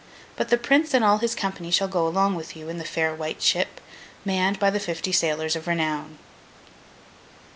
But the Prince and all his company shall go along with you, in the fair White Ship, manned by the fifty sailors of renown.